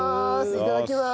いただきます。